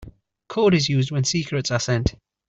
Code is used when secrets are sent.